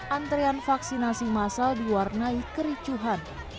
antrean vaksinasi masal diwarnai kericuhan